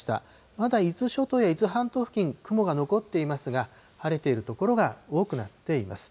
まだ伊豆諸島や伊豆半島付近、雲が残っていますが、晴れている所が多くなっています。